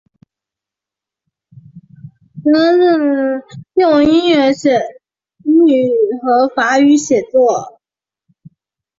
用英语和法语写作。